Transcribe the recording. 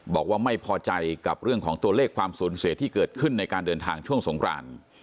บอกว่าไม่พอใจกับเรื่องของตัวเลขความสูญเสียที่เกิดขึ้นในการเดินทางช่วงสงคราน